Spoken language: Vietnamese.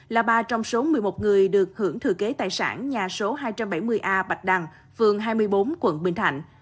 là ba trong số một mươi một người được hưởng thừa kế tài sản nhà số hai trăm bảy mươi a bạch đằng phường hai mươi bốn quận bình thạnh